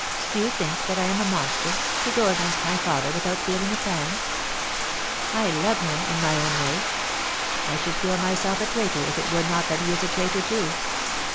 Do you think that I am a monster, to go against my father without feeling a pang ? I love him, in my own way. I should feel myself a traitor if it were not that he is a traitor too.